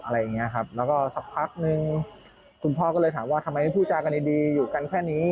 แล้วก็สักพักนึงคุณพ่อก็เลยถามว่าทำไมผู้จากกันดีอยู่กันแค่นี้